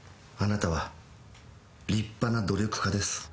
あなたは立派な努力家です